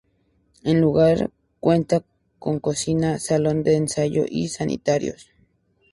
El lugar cuenta con cocina, salón de ensayo y sanitarios.